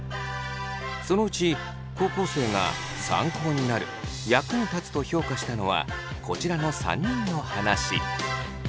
そのうち高校生が「参考になる」「役に立つ」と評価したのはこちらの３人の話。